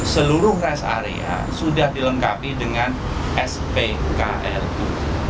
seluruh rest area sudah dilengkapi dengan spklu